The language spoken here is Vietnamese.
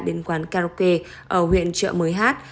đến quán karaoke ở huyện trợ mới hát